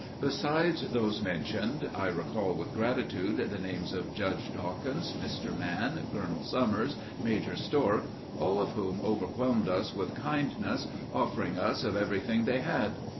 Besides those mentioned, I recall with gratitude the names of Judge Dawkins, Mr. Mann, Colonel Summers, Major Stork, all of whom overwhelmed us with kindness, offering us of everything they had.